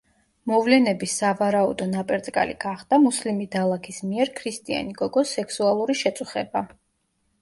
მოვლენების სავარაუდო ნაპერწკალი გახდა მუსლიმი დალაქის მიერ ქრისტიანი გოგოს სექსუალური შეწუხება.